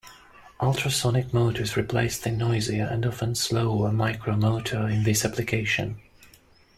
Ultrasonic motors replace the noisier and often slower micro-motor in this application.